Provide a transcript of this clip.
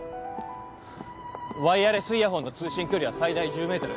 ワイヤレスイヤホンの通信距離は最大１０ｍ。